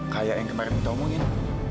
kayak yang kemarin kita omongin